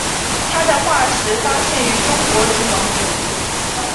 它的化石发现于中国及蒙古。